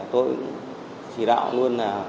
tôi chỉ đạo luôn là